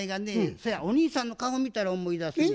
そやお兄さんの顔見たら思い出すんやわ。